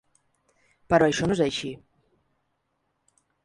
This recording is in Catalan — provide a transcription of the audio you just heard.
Però això no és així.